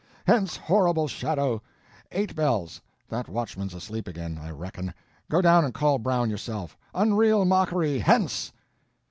Hence horrible shadow! eight bells—that watchman's asleep again, I reckon, go down and call Brown yourself, unreal mockery, hence!